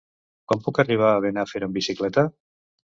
Com puc arribar a Benafer amb bicicleta?